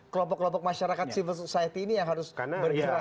kelompok kelompok masyarakat civil society ini yang harus bergerak